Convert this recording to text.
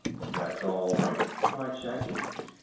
"That's all right," replied Shaggy.